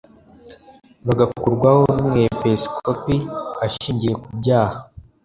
Bagakurwaho n umwepesikopi ashingiye kubyaha